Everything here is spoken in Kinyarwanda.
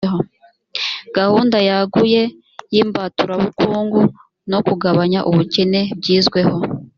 gahunda yaguye y’ imbaturabukungu no kugabanya ubukene byizweho.